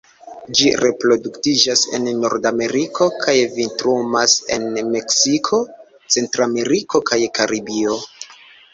Ĝi reproduktiĝas en Nordameriko kaj vintrumas en Meksiko, Centrameriko kaj Karibio.